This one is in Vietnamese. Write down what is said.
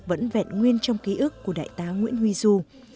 vẫn vẹn nguyên trong ký ức của đại tá nguyễn huy du